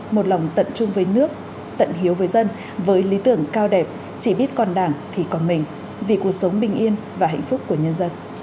một lòng tận chung với nước tận hiếu với dân với lý tưởng cao đẹp chỉ biết còn đảng thì còn mình vì cuộc sống bình yên và hạnh phúc của nhân dân